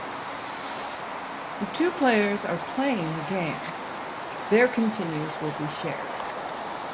If two players are playing the game, their continues will be shared.